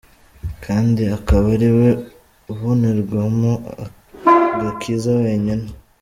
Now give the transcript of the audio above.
kandi akaba ariwe ubonerwamo agakiza wenyine.